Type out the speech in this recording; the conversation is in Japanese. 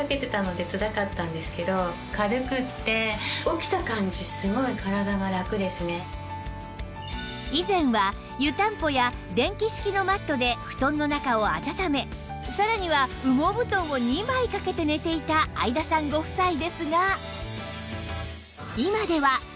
会田さんには以前は湯たんぽや電気式のマットで布団の中を暖めさらには羽毛布団を２枚かけて寝ていた会田さんご夫妻ですが